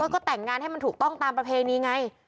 ก็แต่งงานให้มันถูกต้องตามประเพณีไง